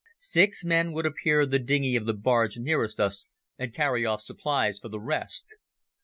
Six men would appear in the dinghy of the barge nearest us and carry off supplies for the rest.